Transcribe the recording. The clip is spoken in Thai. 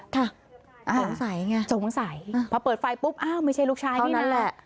สงสัยไงสงสัยพอเปิดไฟปุ๊บอ้าวไม่ใช่ลูกชายนี่นั่นแหละ